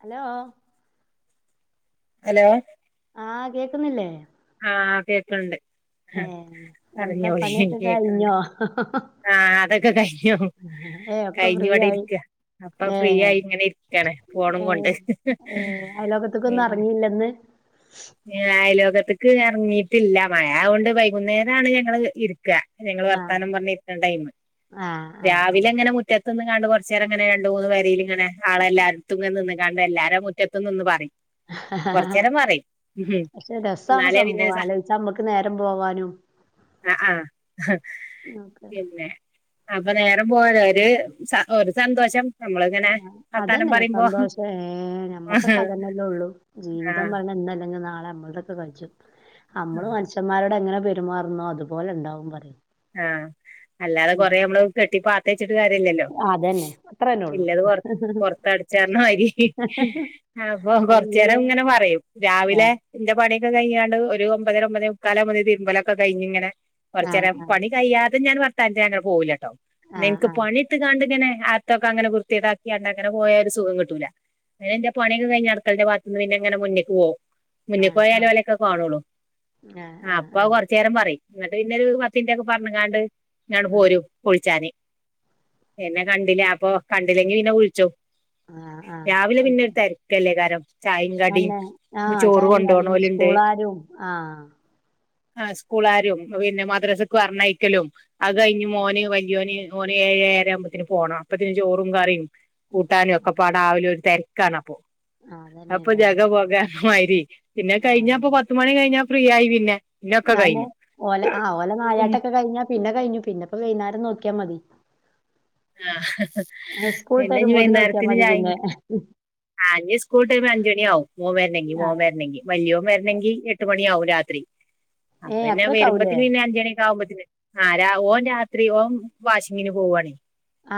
Hello hello ആഹ് കേക്കുന്നില്ലേ ആഹ് കേക്കണ്ട് ഏഹ് എന്താ പറഞ്ഞോളി പണിയൊക്കെ കേക്കണ്ട് കഴിഞ്ഞോ ആഹ് അതൊക്കെ കഴിഞ്ഞോ ഏ ഒക്കെ കഴിഞ്ഞ ഫ്രീ ഇവിടെ ആയി ഇരിക്ക അപ്പൊ ഏ ഫ്രീ ആയി ഇങ്ങനെ ഇരി [unintelligible] ക്കെട ഫോണും ഏ കൊണ്ട് ഏ അയലോകത്ത്ക്കൊന്നും എറങ്ങിയില്ലന്ന് അയൽ വക്കത്തേക്ക് ഇറങ്ങിട്ടില്ല മഴ അത് കൊണ്ട് വൈകുന്നേരാണ് ഞങ്ങള് ഇരിക്കുക ഞങ്ങള് ആഹ് വർത്താനം പറഞ്ഞിരിക്കണ്ടായിന്നു ആഹ് ആഹ് രാവിലെ ഇങ്ങനെ മു മുറ്റത്ത് നിന്നങ്ങാണ്ടുങ്ങനെ കുറച്ച് നേരം ഇങ്ങനെണ്ട് മൂന്ന് വരൽ ഇങ്ങനെ [unintelligible] ണ്ട് എല്ലാരും മുറ്റത്തന്ന് പറയും കൊറച്ച് ആഹ് നേരം പറയും ഉം പക്ഷെ രസാണ് എന്നാലേ പിന്നെ സംഭവം സ ആലോചിച്ച നമ്മക്ക് നേരം പോവാനും ആഹ് ആഹ് ഒക്കെ പിന്നെ അപ്പൊ നേരം പോലെ ഒരു ഒരു സന്തോഷം നമ്മളിങ്ങനെ വർത്താനം അതന്നെ പറയുമ്പോ സന്തോഷം ഏഹ് ഞമ്മക്കൊക്കെ അതന്നെല്ല ഉള്ളു ആഹ് ജീവിതം പറഞ്ഞ ഇന്ന് അല്ലെങ്കിൽ നാളെ നമ്മൾത ഒക്കെ കജ്ജും നമ്മള് മനുഷ്യന്മാരോട് എങ്ങനെ പെരുമാറുന്നോ അതുപോലെ ഉണ്ടാവും പറയ ആഹ് അല്ലാതെ കൊറെ മ്മള് കെട്ടിപ്പാത്ത് വെച്ചിട്ട് കാര്യല്ലല്ലോ. അതന്നെ അത്രന്നെ ഒള്ളൂ ഇല്ലത് പൊർ പൊർത്തട്ച്ചാർഞ്ഞ മാരി. അപ്പം എല്ലതും കൊർച്ചേരങ്ങനെ പറയും രാവിലെ. ആഹ് ഇന്റെ പണ്യൊക്കെ കയ്ഞ്ഞാണ്ട് ഒരു ഒമ്പതര ഒമ്പതേ മുക്കാലോമ്പോത്തിന് തിര്മ്പലൊക്കെ കയ്ഞ്ങ്ങനെ ആഹ് കൊർച്ചരം. ഇ കയ്യാതെ ഞാൻ വർത്താനത്തിനങ്ങനെ പോകൂലട്ടോ ആഹ് നിൻക് ആഹ് പണിട്ത്ത്ക്കാണ്ട്. ങ്ങനെ ആത്തൊക്കങ്ങനെ വൃത്തികേടാക്കിയണ്ടങ്ങനെ പോയ ഒരു സുഖം കിട്ടൂല. പിന്നെന്റെ പണ്യൊക്കെ കയിഞ്ഞ് അട്ക്കളന്റെ [unintelligible] ങ്ങനെ മുന്ന്ക്ക് പോവും. മുന്ന് ആഹ് പോയാല് ആഹ് ഓലൊക്കെ കാണൊള്ളു ആ ആഹ് ആഹ് അപ്പൊ ആഹ് കൊർച്ചേരം പറയും ന്നട്ട് പിന്നോരു പ ത്തിൻ്റക്ക് പർഞ്കാണ്ട് ഞാണ്ട് ഉം പോരും. വുൾച്ചാന് പിന്നെ കണ്ടില അപ്പൊ കണ്ടിലെങ്കി പിന്നെ വുൾച്ചും. ആഹ് ആഹ് രാവിലെ പിന്നൊരു തെര്ക്കല്ലെക്കാരം. ചായിം കടിം അന്നെ ആഹ് ചോറ് ചായിം കടിം കൊണ്ടോവ്ണോല്ണ്ട്. സ്കൂളാരും ആഹ് ആ സ്കൂളാരും പിന്നെ മദ്രസക്ക് പർഞ്ഞയ്ക്കലും. അ കയ്ഞ്ഞ് മോന് വല്യോന് ഓന് ഏഴ് ഏഴര ആവുമ്പത്തിന് പോണം അപ്പത്തിന് ചോറും കറിം. കൂട്ടാനും ആഹ് ഒക്കപ്പാടാവലും ഒരു തെര്ക്കാണപ്പൊ ആഹ് അതന്നെ അപ്പൊ ഇണ്ടാവും ജഗ പൊക മാരി. പിന്നെ ആഹ് കയ്ഞ്ഞപ്പം പത്ത് മണി കയ്ഞ്ഞാ ഫ്രീയായി പിന്നെ. പിന്നൊക്കെ അഎന്നെ കഴിഞ്ഞു ഓലെ ആ ഓലെ ഉം നായാട്ടൊക്കെ കൈഞ്ഞാ പിന്നെ കൈഞ്ഞു പിന്നപ്പ വൈന്നാരം നോക്ക്യാ മതി. ആ ആ പിന്നെ ഇനി സ്കൂൾട്ടരുമ്പോത്തിന് നോക്ക്യാ മതി പിന്നെ. ആഹ് ഞ് സ്കൂൾട്ടരുമ്പോ അഞ്ചണ്യാവും മോ വര്നെങ്കി മോ ആഹ് വര്നെങ്കി. വല്യോ വര്ണങ്കി എട്ട് മണി ആവും രാത്രി ഏഹ് അപ്പന്നെ അത്രക്കാവൂലേ വരുമ്പത്തിന് പിന്നെ അഞ്ചണ്യാക്കാവുമ്പത്തിന്. ആഹ് രാ ഓൻ രാത്രി ഓൻ വാഷിങ്ങിന് പോവാണെ.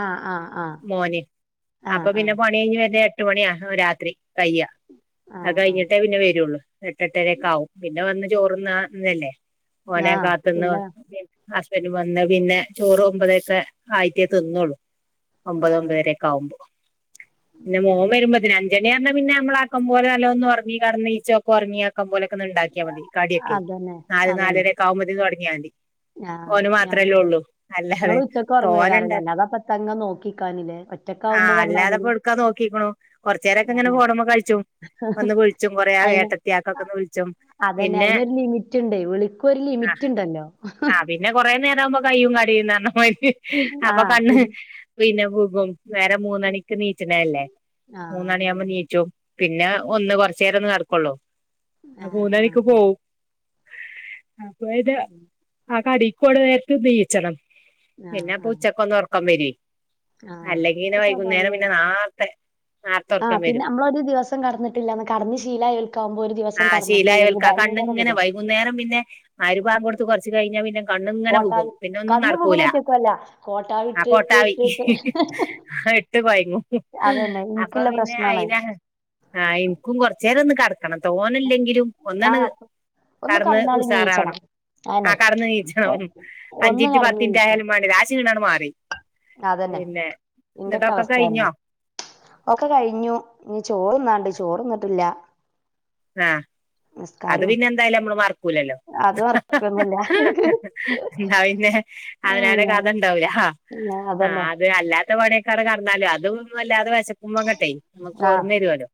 ആഹ് ആഹ് ആഹ് മോന് ആഹ് അപ്പപിന്നെ ആഹ് പണൈഞ് വരണെര് ട്ട് മണ്യ രാത്രി കയ്യ അത് ആഹ് ആഹ് കയ്ഞ്ഞിട്ടേ പിന്നെ വരുള്ളൂ. എട്ട് എട്ടരെക്കാവും പിന്നെ വന്ന് ചോറ്ന്ന തല്ലേ ഓലെ ആഹ് കാത്ത്ന്ന് പിന്നെ ഹസ്ബൻഡ് വന്ന് പിന്നെ ചോറ് ഒമ്പതൊക്കെ ആയിട്ടെ തിന്നോള്ളൂ. ഒമ്പത് ആഹ് ഒമ്പതരെക്കെ ആവുമ്പൊ പിന്നെ മോ ഉം വരുമ്പത്തിന് അ ഞ്ചണി അർഞ്ഞ പിന്നെ നമ്മൾ ആക്കം പോലെ നല്ലോം ഒന്ന് ഒർങ്ങി കട്ന്നീച്ചൊക്കൊർങ്ങി കമ്പോലൊക്കെ ഒന്ന് ണ്ടാക്ക്യാ മതി കാട്യൊക്കെ അതന്നെ നാല് നാലരെക്കാവുമ്പത്തിന് തൊട്ങ്ങ്യാതി. ഞാ ഞാന് ങ്ങൾ അല്ലാതെ ഉച്ചക്കൊർങ്ങൊയ്ക്കാരം ലെ തോനുണ്ട് അല്ലാതെപ്പത്താങ്ങനെ നോക്കിക്കാന് ലെ ഒ ആഹ് അല്ലാതപ്പൊട്ക്കാ നോക്കിക്കുണു. കൊർച്ചേരൊക്കങ്ങനെ ഫോണ് മ്മ കൾച്ചും ഒന്ന് വിൾച്ചും കൊറേ അയിന് ഏട്ടത്ത്യാക്കൊക്കെന്ന് വിൾച്ചും. അതന്നെ അയ്നൊരു ലിമിറ്റ്ണ്ടെ വിളിക്കൊരു ലിമിറ്റ്ണ്ടല്ലോ. ആഹ് പിന്നെ കൊറേ നേരാവുമ്പ കയ്യും കടയുംന്നർഞ്ഞ മാരി അപ്പൊ ആഹ് കണ്ണ്. പിൻ പിന്നെ വുകും നേരം മൂന്നണിക്ക് നീച്ച്‌ണെല്ലേ. ആഹ് മൂന്നണ്യാവുമ്പ അതന്നെ നീച്ചും പിന്നെ ഒന്ന് കൊർച്ചേരൊന്ന് കട്ക്കൊള്ളൂ. അ ആഹ് ആഹ് മൂന്നണിക്ക് പോവും. അപ്പോ പിന്നെ ആ കടേക്കോണ നേര്ത്ത് നീച്ചണം. ആഹ് പിന്നെപ്പൊ ആഹ് ഉച്ചക്കൊന്നൊർക്കം വരോയ് ആഹ് അല്ലെങ്കി പിന്നെ അത് വൈകുന്നേരം പിന്നെ സ്വാഭാവികല്ലേ നാർത്തെ. നാർത്ത. ആഹ് പിന്ന അമ്മളൊരു ദിവസം കട്ന്നിട്ടില്ലന്ന് കടന്നു ശീലായൊൽക്കാവുമ്പോ ഒരു ദിവസം കട്ന്ന്ട്ടില്ലെങ്കി ഭയങ്ക ഇങ്ങനെ വൈകുന്നേരം പിന്നെ മഗ്‌രിബങ്കൊട്ത്ത് കൊർച്ച് കൈഞ്ഞാ പിന്നെ. കണ്ണ്ങ്ങനെ ബുകും കോട്ടാലി പിന്നെ ഒന്നും കണ്ണ് പോകണ നട്ക്കൂല ഒറ്റക്കുവല്ല കോട്ടാവി ആഹ് ഇട്ട് ഇട്ട് കൊട്ടാവി ഇട്ട് ഇട്ട് ഹവ്. ട്ട് കൊയ്ങ്ങും അതന്നെ അപ്പ ഇൻക്കില്ല പിന്നെ പ്രശ്നാണത് അയ്നാ ആ ഇൻക്കും കൊർച്ചേരൊന്ന് കട്. കണം തോനെല്ലെങ്കിലും ഒന്നാണ്ട് ആഹ് ഒന്ന് കട്ന്ന് കടന്നാല് നീച്ചണം ഉസാറാവണം. അയന്നെ ആഹ് കട്ന്ന് ഒ നീച്ചണം ഒന്ന് അഞ്ചിന്റ് കടന്ന് നീച്ചണം പത്തിൻറ്റായാലും മാണ്ടില ആ ശീണണ്ട് മാറി. അതന്നെ പിന്നെ ന്നട്ടൊക്കെ കയ്ഞ്ഞോ. ഒക്ക കയ്ഞ്ഞു ഞ് ചോറ്ന്നാണ്ട് ചോറ്ന്ന്ട്ടില്ല. ആഹ് അത് പിന്നെന്തായാലും അമ്മള് മർക്കൂലല്ലോ. അത് മറക്കൊന്നുല്ല ന്നാ പിന്നെ അവനാന് അല്ലാഹ് കഥണ്ടാവൂല. പിന്നെ ആഹ് അതന്നെ അത് അല്ലാത്ത പണ്യൊക്കട കട്ന്നാലു അതുന്നും അല്ലാതെ വെശക്കുമ്പങ്ങട്ടെ. നമുക്ക് ആഹ് ഓർമ്മ വരുവല്ലോ,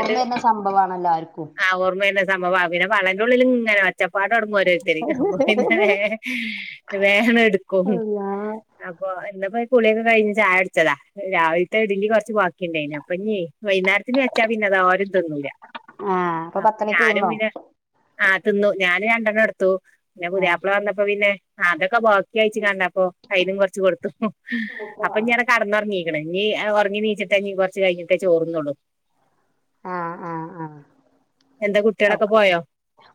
എന്നിട്ട്- സംഭവമാണ് എല്ലാവർക്കും. ആ ഓർമയുള്ള സംഭവം പിന്നെ, പള്ളന്റെ ഉള്ളിലും ഇങ്ങനെ- പച്ചപ്പാടോടങ്ങും ഓരോരുതാര്- [unintelligible] എടുക്കും. അല്ലാഹ് അപ്പോ എന്നപ്പോ കുളിയൊക്കെ- കഴിഞ്ഞ് ചായ ടിച്ചതാ രാവിലത്തെ- ഇഡലി കൊറച്ച് ബാക്കിയുണ്ടായിന്- അപ്പ ഇന് വൈനേരത്തിന് വച്ചാ പിന്ന അത് ആരും തന്നൂല. ആഹ് അപ്പൊ അപ്പോ പത്തണിക്ക് ഞാനും തിന്നോ പിന്നെ, ആഹ തിന്നു ഞാനും രണ്ടെണ്ണം എടുത്തു- പിന്നെ ആഹ് പുതിയാപ്പള വന്നപ്പോ പിന്നെ, അതൊക്കെ ബോക്കി അയിച്ചു കണ്ടപ്പോ ആയിനും കൊറച്ച്- കൊടുത്തു [unintelligible] കടന്നുറങ്ങീകണ് നീ ഉറങ്ങി നീച്ചിട്ടേ- നീ കുറച്ച് കഴിഞ്ഞിട്ടേ- ചോറന്നോള്ളു. ആഹാ ഉം ഉം... എന്താ ഓ കുട്ടികളൊക്കെ പോയോ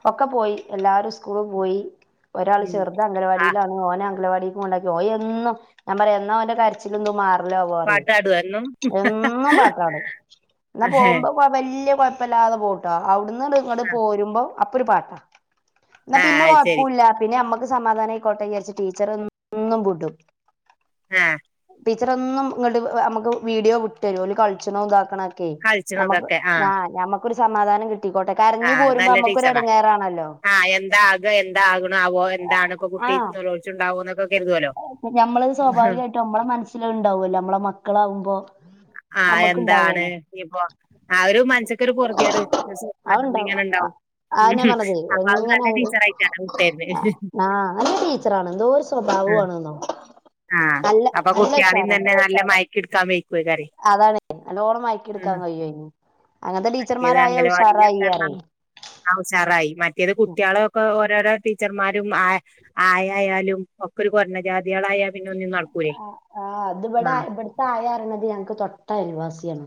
ഒക്കെ പോയി, എല്ലാരും സ്കൂളും പോയി ഒരാൾ ഉം ചെറത് ആ അംഗവാടിയില- ഓനെ അംഗലവാടി കോണ്ടാക്കി, ഓനെന്നും ഞാൻ പറയാ എന്നോന്റെ കാര- ചിലൊന്നു മാറില്ല വോപറയും. പാട്ടാടുവോ എന്നും എന്നും പാട്ടാണ് എന്നാ പോകുമ്പോ- വല്യ കുഴപ്പമില്ലാതെ പോട്ടോ, അവിടുന്ന് ഇങ്ങട് പോരുമ്പോ അപ്പോ ഒരു പാട്ടാ. എന്നാ ആ പിന്നെ അത് ശരി കൊഴപ്പുല്ല പിന്നെ- അമ്മക്ക് സമാധാന ആയിക്കോട്ട വിചാരിച്ച് ടീച്ചർ ഒന്നും വിട്ടും. ആഹ... ടീച്ചർ ഒന്നും ഇങ്ങോട്ട് നമുക്ക് വീഡിയോ വിട്ടരുമക്ക്‌ ഒര് കളിച്ചനോ ഇതാക്കണ. ക്ക് കളിച്ചണതൊക്കെ ആഹാ നമക്കൊരു സമാധാനം കിട്ടിക്കോട്ടെ- കരഞ്ഞു ആഹ പോരുമ്പോ നല്ല നമ്മക്കൊരു ടീച്ചറാ. എടങ്ങേറാണല്ലോ ആഹ് എന്താ ആക, എന്താ ആകുണാവോ, ആ എന്താണ് ഇപ്പോ? കുട്ടികഴിച്ചുണ്ടാവോ? എന്നൊക്കെ കരുതല്ലോ. നമ്മള് സ്വാഭാവികമായിട്ടും നമ്മള മനസ്സില് ഇണ്ടാവല്ലോ നമ്മളടെ മക്കളാവുമ്പോ- ആഹ നമ്മക്ക് എന്താണ് ഇണ്ടാവല്ലോ ഇപ്പോ? ആഹാ ഒരു മനസ്സക്കൊരു പൊറതിട് [unintelligible] ഇങ്ങനെ ഉണ്ടാവും. ഉം. ആനെ പറഞ്ഞത് അപ്പൊ അത് നല്ല എങ്ങനെത് ടീച്ചറായിട്ടാണ് വിട്ടേരുന്നത് ആഹാ നല്ല ടീച്ചറാണ് എന്തോ ഒരു സ്വഭാവം- ആവുണെന്നോ. ആഹ അപ്പോ കുട്ടികളീന്ന് തന്നെ നല്ല മയക്കെടുക്കാൻ വേക്കും. അതാണ് നല്ലോണ്ണം മയക്കെ- ഉം. ടുക്കാൻ കഴിയോ, അങ്ങനത്തെ മറ്റേത് ടീച്ചർമാരായ അംഗലവാടിയിലൊക്കെ പറഞ്ഞാ ഉഷാറായിയാറയ്. ആ ഹാ ഉസറായി മറ്റേത്, കുട്ടികളൊക്കെ ഓരോരോ ടീച്ചർമാരും ആ - ആയായാലും ഒക്കൊ ഒരു കൊറഞ്ഞ ജാതികളായാലു- ആഹാ ആഹാ അത് ഇവിടെ, ഇവിടുത്തെ ആയ പറയാണ്തു- ഞങ്ങക്ക് തൊട്ടയൽവാസിയാണ്.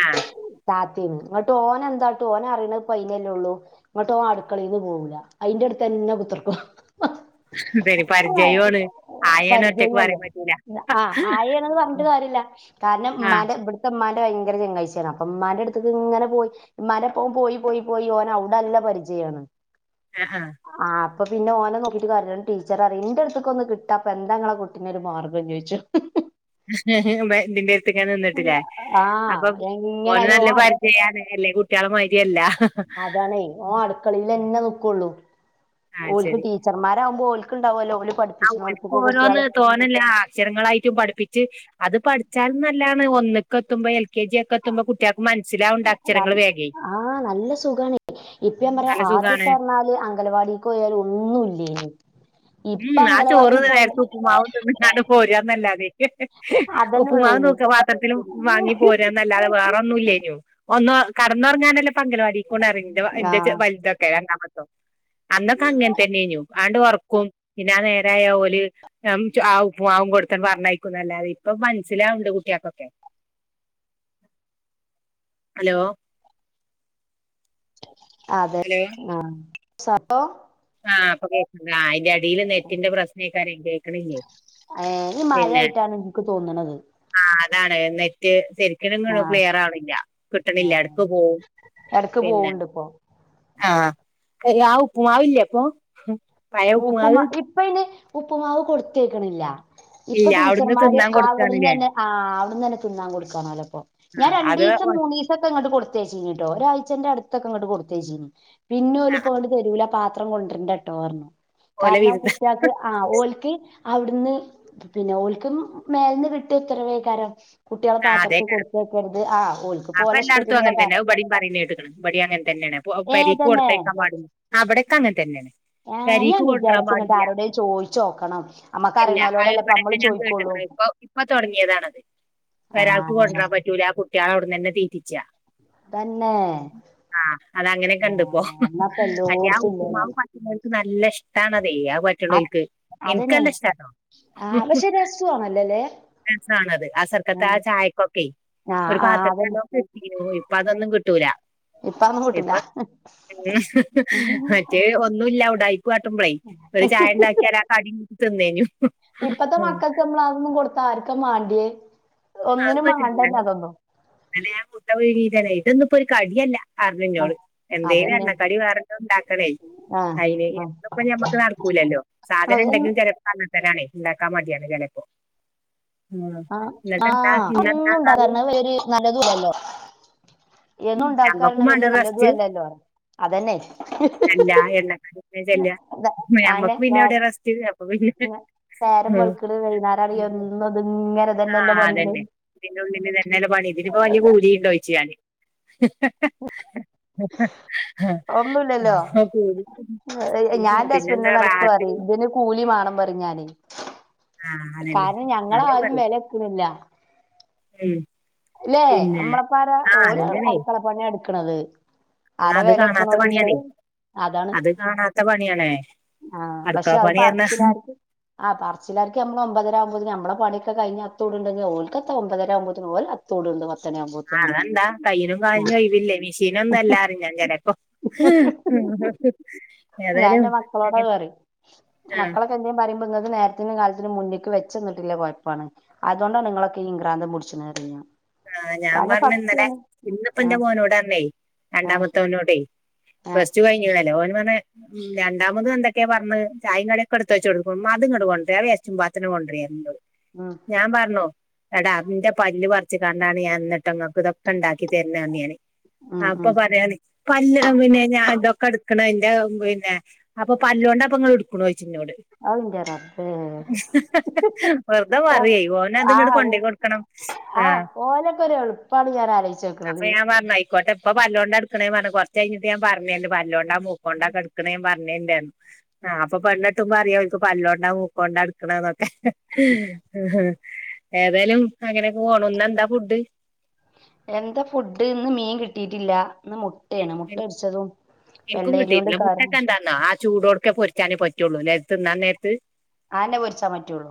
ആഹ.. [unintelligible] എന്താട്ട് ഓന അറിയണ പയില്ലല്ലേ ഉള്ളൂ. എന്നട്ട് ഓന് അടുക്കളൽന്ന് പോവൂല്ല അയിന്റെ അടുത്ത്ന്നെ കുത്തിർക്കും. ഇതൊരു [unintelligible] പരിചയമാണ് ആയാണ് ഒറ്റക്ക് പറയാൻ പറ്റൂല ആഹാ ആയിയാണന്ന് പറഞ്ഞിട്ട് കരില്ല- കാരണം ആ ഉമ്മന്റെ ഇവിടുത്തെ- അമ്മാന്റെ ഭയങ്കര- ചങ്കാഴ്ചയണാണ്. ഉമ്മന്റെ അടുത്തക്ക് ഇങ്ങനെ പോയി ഇമ്മാരെപ്പം പോയി, പോയി- പോയി ഒന് അവിടെല്ല നല്ല- പരിചയമാണ്. ആഹ.. ആഹ അപ്പോ പിന്ന ഓ നോക്കീട്ട് കാര്യയില്ല, ടീച്ചറിയും എന്റെ അടുത്തക്ക ഒന്ന് കിട്ട അപ്പ എന്തങ്ങളെകു- പിന്നെയൊരു മാർഗം ചോദിച്ചു. [unintelligible] [unintelligible] നിന്നിട്ടില്ലേ ആഹ് അപ്പൊ ഓന് എങ്ങനായാലും നല്ല ഓൻ അടുക്ക പരിചയ അല്ലേ? കുട്ടികളെ മരിയല്ല- അതാണേ ഓ അടുക്കളൽന്നെ നക്കുള്ളൂ ആ ശരി ഒലക്. ടീച്ചർമാർ ആവുമ്പോ ഒലക്ക്- ഉണ്ടാവുമല്ലോ ഓല് പഠി- ആ ഒലക്ക് ഓരോന്ന് തോ- അക്ഷരങ്ങളായിട്ടും പഠപ്പിച്ച് അത് പഠിച്ചാല നല്ലതാണ് ഒന്നക്ക് എത്തുമ്പോ- കെ. ജി ഒക്കെ എത്തുമ്പൾ കുട്ടികൾക്ക് മനസ്സിലാവണ്ട- നൽ അക്ഷരങ്ങൾ വേഗേ- ആഹ് നല്ല സുഖാണ്. ഇപ്പ ഞാൻ പറയാ, നല്ല സുഖാണ് ആദ്യോക്കറഞ്ഞാല് അങ്കലവാടി പോയാലൊന്നും ഇല്ലേര്ന്ന്. ഉം ആഹാ ചോറ് നേരത്തെ- ഉപ്പ്മാവും തിന്നിട്ടാണ്ട് പോര്കാന്നല്ലാതെ- അതന്നെ ഉപ്പുമാവ് ഉള്ളേനി തൂക്ക് പാത്രത്തിലും വാങ്ങി പോരാന്നല്ലാതെ- ല്ലാതെ വേറൊന്നും ഇല്ല്യേനോ ഒന്ന് കടന്നുറങ്ങാനല്ലേ ഇപ്പ അങ്കലവാടി ഇകുണാ റിന്റുവ എന്റെചെ ആഹ് വലുതൊക്കെ രണ്ടാമത്തും അന്നൊക്കെ അങ്ങനെത്തനെന്യു. ആണ്ട് ഒർക്കും പിന്നെ ആ നേരായാ ഓല് ഞാൻ വെച്ചു ആ ഉപ്പുമാവും കൊടുത്തു അങ്ങട്ട് പറഞ്ഞയക്കും ന്നല്ലാതെ ഇപ്പം മനസിലാവ്ണ്ട് കുട്ട്യാൾക്കൊക്കെ ഹലോ അതെ ഹലോ ആഹ് സഹോ ആഹ് ഇപ്പൊ കേക്ക്ണ്ട് അയ്ന്റെ അടില് നെറ്റിന്റെ പ്രശ്നേക്കാരേം കേക്കണില്ലേനി. ഏഹ് ഈ മഴയിട്ടാണ് ഇൻക്ക് തോന്നണത് ആഹ് അതാണ് നെറ്റ് ശെരിക്ക് ഇങ്ങട്ട് ആഹ് ക്ലിയറാവണില്ല കിട്ടണില്ല ആഹ് എടക്ക് പോവും എടക്ക് പിന്നെ പോവ്ണ്ട് ഇപ്പൊ ആഹ് യാ ഉപ്പുമാവ് ഇല്യേപ്പൊ? ഉപ്പുമാ ഇപ്പയ്ന് ഉപ്പുമാവ് കൊടുത്തേക്കണില്ല ഇപ്പൊ ഇല്ല അവിടുന്ന് ടീച്ചർമാര് തിന്നാൻ കൊടുക്കാണ്ല്ലേ അവിട്ന്നനെ ആഹ് അവിടുന്നന്നെ തിന്നാൻ കൊടുക്കാണല്ലോ ഇപ്പൊ ഞാൻ ആഹ് അത് രണ്ടിസം മൂന്നിസ് സൊക്കെ ഇങ്ങട്ട് കൊടുത്തേച്ചിനിട്ടോ ഒരാഴ്ച്ചന്റെ അടുത്തൊക്കെങ്ങട്ട് കൊട്ത്തേച്ചിനി പിന്നെ ഓല്പ്പാണ്ട് തരൂല്ല പാത് ത്രം കൊണ്ട്രണ്ടട്ടോ പറഞ്ഞു ഓലെ കാരണം വിരുന്ന് കുട്ടികൾക്ക് ആഹ് ഓല്ക്ക് അവിടുന്ന് പിന്നെ ഓൽക്കും മേലന്ന് കിട്ടിയ ഉത്തരവേക്കാരം കുട്ട്യാളെ ആഹ് പാത്രത്തിൽ അതേക്കാരം കൊടുത്തയക്കരുത് ആ ഓൽക്ക് ഇപ്പോ അപ്പൊ ഓലെ എല്ലായിടത്തും ഇഷ്ടത്തിന് അങ്ങനെ ഇപ്പൊ തന്നെ അത് ഇബിടെം പറയുന്ന കേട്ട്ക്ക്‌ണ് ഇബടെം അങ്ങനെ തന്നെണ്. പോ ഏ പെരീക്ക് തന്നെ കൊടുത്തയക്കാൻ പാടില്ല ആ വിടൊക്കെ അങ്ങനെ തന്നെണ് ആഹ് ഞാൻ പെരിക്ക് കൊണ്ട്രാൻ വിചാരിച്ച് ഇങ്ങട്ട് പാടില്ല ആരോടേലും ചോയിച്ചോക്കണം അമ്മക്ക് അല്ല ആഹ് അറിയണോലോടല്ലേ ഇപ്പ ഇവിടൊക്കെ നമ്മള് ഞാൻ ചോയിക്കൊള്ളൂ കേട്ടിക്ക്‌ണ് അത് ഇപ്പൊ ഇപ്പൊ തൊടങ്ങിയതാണത് പെരാൾക്ക് ആഹ് കൊണ്ട്രാൻ പറ്റൂല കുട്ട്യാളെ അവിട്ന്നന്നെ തീറ്റിച്ചാ തന്നെ... ആഹ് അതങ്ങനെക്ക്‌ണ്ട്പ്പോ ആഹ് എന്നാപ്പ മറ്റേ ആഹ് എല്ലോട്ത്തും ഇല്ലേന്ന് ഉപ്പുമാവ് പ പിള്ളേർക്ക്‌ നല്ല ഇഷ്ടാണതെ അത് പറ്റ് ആഹ് റ്റണോൽക്ക് ഇൻക്ക് അതന്നെ നല്ല ഇഷ്ടാട്ടോ ആഹ് പക്ഷെ രസു ആണല്ലോല്ലേ രസാണത് ആസർക്കത്തെ ആ ആഹ് ചായക്കൊക്കെ ആഹ് ഒരു ആഹ് അതന്നെ പാത്രത്തിവല്ലോ നെത്തീനോ ഇപ്പം അതൊന്നും കിട്ടൂല ഇപ്പ അതൊന്നും കിട്ടൂല ഇപ്പൊ ഉം മറ്റേ ഒന്നുംല്ല ഉടായിപ് കാട്ടുമ്പളെ ഒരു ചായ ഉണ്ടാക്കിയ ലാ കടിം കൂട്ടി തിന്നേനു ആഹ് ഇപ്പം നമ്മള് അതൊന്നും കൊടുത്ത ആര്ക്ക മാണ്ടിയേ ആഹ് അത് ഒന്നിനും മാണ്ടന്നെ പറ്റൂല്ലല്ലേ അതൊന്നും ഇന്നലെ ഞാൻ മുട്ട പുഴുങ്ങിട്ടനെ ഇതൊന്നും ഇപ്പോരു കടിയല്ല ഹസ്ബന്റിനോട് ആഹ് എന്തേലും അതന്നെ എണ്ണക്കടി വേറെ എന്തെ ഉണ്ടാക്കണേ ആഹ് അയിന് എന്നുപ്പം ഞമ്മക്ക് നടക്കൂലല്ലോ സാധനം ആഹ് ഉണ്ടെങ്കിൽ ചെലപ് കൽപ്പനാണെ ഇണ്ടാക്കാൻ മടിയാണ് ചെലേപ്പോ ഉം ആഹ് എന്നിട്ട് എന്താ ആഹ് ഇന്നെന്താ കറി എന്നുണ്ടാകാരണെവര് നല്ല സുഖല്ലേ എന്നും ഉണ്ടാക്കാറിണെ ഞമ്മക്കും വേണ്ട വല്യ നല്ലതും റെസ്റ്റ് അല്ലല്ലോ അതന്നെ അല്ല എണ്ണകടി [unintelligible] ആന്നെ നമ്മക്ക് പിന്നെ എവിടെയാ നേര- റസ്റ്റ് എപ്പ [unintelligible] നേ- നേരം വെളുക്ക്ണ് വൈന്നേരം ആണേ എന്നും ഇത് ഇങ്ങനെ ആഹ് അതന്നെ ഇതിനുള്ളില് ഇതന്നെല്ലെ പണി ഇതിനിപ്പോ വല്ല്യ കൂലി ഇണ്ടോ ചോയ്ച് ഞാന് ഒന്നുമില്ലല്ലോ ആഹ് കൂലിക്ക് [unintelligible] പിന്നെന്താ റാഫിൻ കൂലിമാണം പറയും ഞാനെ ആഹ് അതന്നെ കാരണം ഞങ്ങളെ ഞാന് ആരും പറയും വെലവെക്കണില്ല ഉം ല്ലേ പിന്നെ നമ്മളപ്പാര ആഹ് ഓല് അതന്നെയാണേ അടുക്കളപ്പണിയ എടുക്കണത് എന്നാ ആരാ അത് കാണാത്ത വെലക്ക്ണോലിള്ളേ പണിയാണേ അതാണ് അത് കാണാത്ത പണിയാണേ ആഹ് അടുക്കള പക്ഷെ അത് പണി പറഞ്ഞ പറച്ചില്ലാർക്ക് ആ പറച്ചിലാർക്ക് നമ്മൾ ഒമ്പതരകുമ്പോത്തിന് നമ്മളെ പണിയൊക്കെ കഴിഞ്ഞ് അകത്തു ട്ണ്ടെങ്കിൽ ഓൽക്കെത്ത ഒമ്പതര ആകുമ്പോത്തിന് ഓ തോട്ണ്ട് ആതെന്താ കയ്യിനും കാലിനും ഒഴവില്ല മിഷീനൊന്നും അല്ലാ പറയും ഞാൻ ചിലപ്പോ ആഹ് ഞാൻ ഏതാലും എന്റെ ആഹ് ആഹ എന്തേും പറുമ്പോന്നത് നിങ്ങൾക്ക് നേരത്തിനും കാലത്തിനും മുന്നേക്ക് വെച്ചുന്നിട്ടുള്ള കുഴപ്പാണ് അതുകൊണ്ടാണ് നിങ്ങളൊക്കെ ഇക്രാന്തം പുടിച്ച്ണത് പറയുന്ന ആഹ് ഞാൻ പറഞ്ഞു ഇന്നലെ ഇന്നിപ്പന്റെ ആഹ് മോനോടറഞ്ഞു ആഹ് രണ്ടാമത്തെ മോനോട്- ആഹ് പ്ലസ് ടു കഴിഞ്ഞോല്ലേ ഓന് പറഞ്ഞ ഉം രണ്ടാമത് എന്തൊക്കെയ പറഞ് ചായ കടിയൊക്കെ എടുത്ത് വച്ച് കൊടുക്ക ഉമ്മ അതുങ്ങട് കൊണ്ടര് ആ വേസ്റ്റ് പാത്രം ഇങ്ങട്ട് കൊണ്ടര് പ- ആഹ് ഞാൻ പറഞ്ഞു എടാ ന്റെ പല്ല് പറിച്ച് കോണ്ടാണ് ഞാന് ന്നിട്ട് നിങ്ങക്ക് ഇതൊക്കെ ഉണ്ടാക്കി തരണത് ഞാന് ഉം അപ്പൊ ഉം പറയാണ് പല്ലൊക്കെ പിന്നെ ഞാൻ ഇതൊക്കെ എടുക്കണ ന്റെ പിന്നെ അപ്പൊ പല്ലോണ്ട അപ്പൊ ങ്ങൾ എടുക്കണത് ചോദിച്ചെന്നെട് ആവൂ ഇന്റെ റബ്ബേ വെറുതെ ഓ പറയി ഓനെ അത്ങ്ങോട്ട് ആഹ് കൊണ്ടേയി കൊടുക്കണം ആഹ് ഓലോക്കെ ഒര് എളുപ്പാണ് ഞാൻ ആലോച്ചു വെക്കണത് ഇക്കട്ടെ പ്പൊ പല്ലോണ്ട് എടുക്കണേ കുറച്ചു കഴിഞ്ഞിട്ട് ഞാന് പറഞ്ഞരണ്ട് പല്ലോണ്ടാ മൂക്കോണ്ടാ ക്ക എടക്കണേ പറഞ്ഞരണ്ട് ആഹ് അപ്പൊ പെണ്ണ്കെട്ടുമ്പോ അറിയാം ക്ക് പല്ലോണ്ടാ മൂക്കോണ്ട എടുക്കണന്നൊക്കെ ഏതായാലും അങ്ങനെക്കെ പോണ് ഇന്ന് എന്താ ഫുഡ്? എന്താ ഫുഡ് ഇന്ന് മീൻ കിട്ടിയിട്ടില്ല ഇന്ന് മുട്ടയാണ് മുട്ട പൊരിച്ചതും വെള്ളേരിയ കൊണ്ട് കറിയും ആഹ് ചൂടോട്ക്കെ പൊരിച്ചാന് പറ്റുള്ളൂ നേരത്ത് തിന്നാൻ നേരത്ത് ആനെ പൊരിച്ചാ പറ്റുള്ളൂ